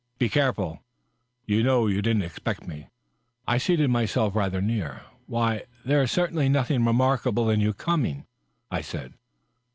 " Be careful. You know you didn't expect me." I seated myself rather near her. " Why, there is certainly nothing remarkable in your coming," I said.